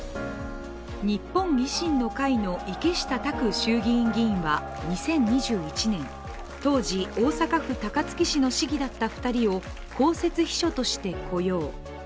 日本維新の会の池下卓衆議院議員は２０２１年当時、大阪府高津岸田総理飯野市議だった２人を公設秘書として雇用。